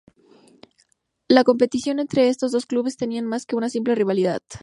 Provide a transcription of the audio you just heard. La competición entre estos dos clubes tenía más que una simple rivalidad.